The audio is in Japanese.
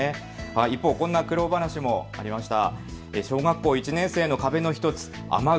一方、こんな苦労話もありました。